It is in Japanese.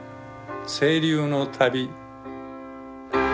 「清流の旅」。